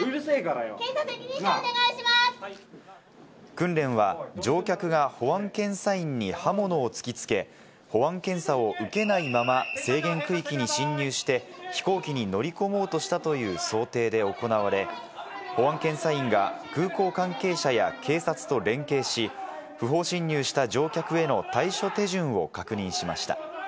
訓練は、乗客が保安検査員に刃物を突きつけ、保安検査を受けないまま制限区域に侵入して飛行機に乗り込もうとしたという想定で行われ、保安検査員が空港関係者や警察と連携し、不法侵入した乗客への対処手順を確認しました。